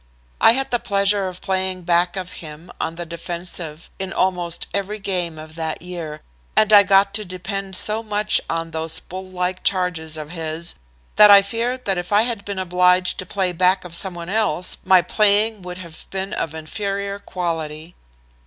"I had the pleasure of playing back of him on the defensive in almost every game of that year, and I got to depend so much on those bull like charges of his that I fear that if I had been obliged to play back of some one else my playing would have been of inferior quality.